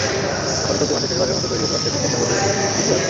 জাপানে চলতি মাসে শেষবারের মতো তৈরি হতে যাচ্ছে বিশ্বের সর্বশেষ ভিসিআর।